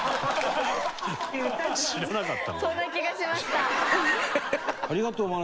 知らなかったんだ。